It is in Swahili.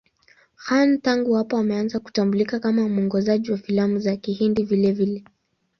Khan tangu hapo ameanza kutambulika kama mwongozaji wa filamu za Kihindi vilevile.